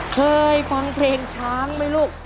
เคยฟังเพลงช้างไหมลูก